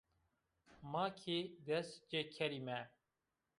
Ma kî dest cikerîme